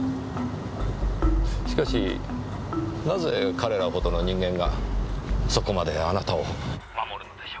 しかしなぜ彼らほどの人間がそこまであなたを守るのでしょう？